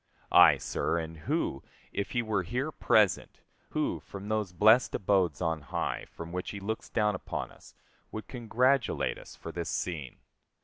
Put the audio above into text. Ay, sir, and who, if he were here present, who from those blest abodes on high from which he looks down upon us would congratulate us for this scene.